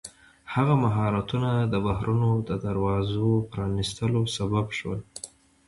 هغه مهارتونه د بحرونو د دروازو پرانیستلو سبب شول.